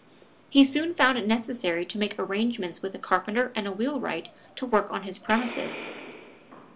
He soon found it necessary to make arrangement with a carpenter and wheelwright to work on his premises.